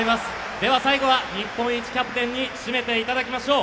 では最後は日本一キャプテンに締めていただきましょう。